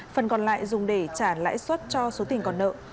phần còn lại dùng để trả lãi suất cho số tiền còn nợ